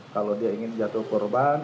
kalau dia ingin jatuh korban